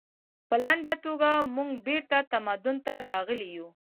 په لنډه توګه موږ بیرته تمدن ته راغلي یو